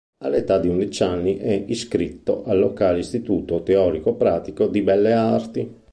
All'età di undici anni è iscritto al locale Istituto teorico-pratico di belle arti.